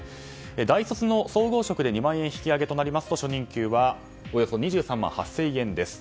大卒の総合職で２万円引き上げとなりますと初任給はおよそ２３万８０００円です。